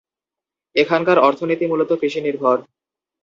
এখানকার অর্থনীতি মুলত কৃষি নির্ভর।